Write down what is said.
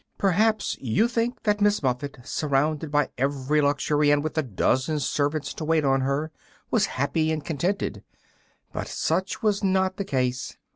Perhaps you think that Miss Muffet, surrounded by every luxury and with a dozen servants to wait upon her, was happy and contented; but such was not the case.